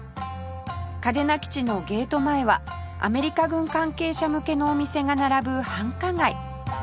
嘉手納基地のゲート前はアメリカ軍関係者向けのお店が並ぶ繁華街